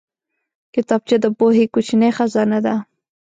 کتابچه د پوهې کوچنۍ خزانه ده